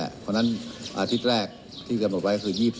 เพราะฉะนั้นอาทิตย์แรกที่กำหนดไว้ก็คือ